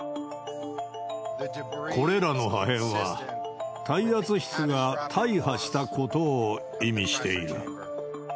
これらの破片は、耐圧室が大破したことを意味している。